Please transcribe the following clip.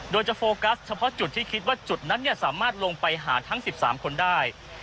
โดยจะโฟกัสเฉพาะจุดที่คิดว่าจุดนั้นสามารถลงไปหาทั้ง๑๓คนได้